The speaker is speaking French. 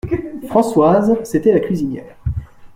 Françoise, c'était la cuisinière.